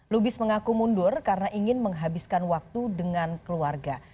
lubis mengaku mundur karena ingin menghabiskan waktu dengan keluarga